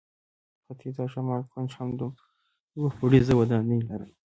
ختیځ او شمال کونج هم دوه پوړیزه ودانۍ لرله.